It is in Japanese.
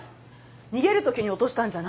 逃げるときに落としたんじゃない？